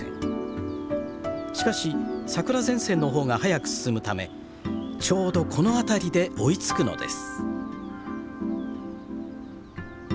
しかし桜前線の方が早く進むためちょうどこの辺りで追いつくのです。